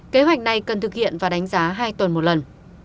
kế hoạch này cần thực hiện và đánh giá hai tuần một lần